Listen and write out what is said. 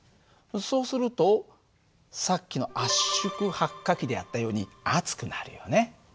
そうするとさっきの圧縮発火機でやったように熱くなるよね。